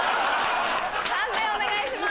判定お願いします。